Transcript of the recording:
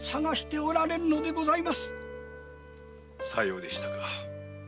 さようでしたか。